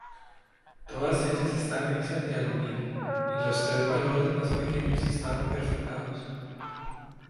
Todas ellas estaban hechas de aluminio y los tres valores más pequeños estaban perforadas.